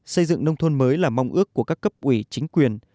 xây dựng nông thôn mới là mong ước của các cấp ủy chính quyền